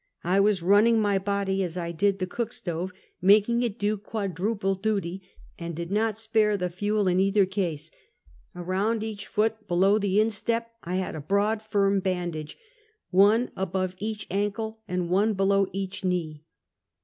I was run ning my body as I did the cook stove, making it do quad ruple duty, and did not spare the fuel in either case. Around each foot, below the instqp, I had a broad, firm bandage, one above each ankle and one below each knee.